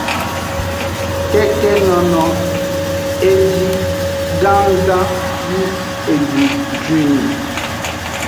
Keke nono eji gannggan yi egbu juinni.